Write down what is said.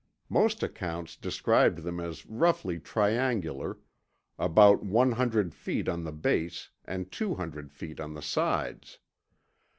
Most accounts described them as roughly triangular, about one hundred feet on the base and two hundred feet on the sides.